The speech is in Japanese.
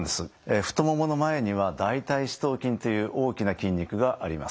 太ももの前には大腿四頭筋という大きな筋肉があります。